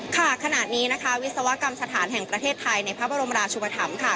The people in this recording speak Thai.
ขณะนี้นะคะวิศวกรรมสถานแห่งประเทศไทยในพระบรมราชุปธรรมค่ะ